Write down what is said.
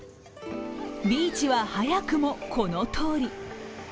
ビーチは早くも、このとおり。